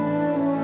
sampai jumpa dil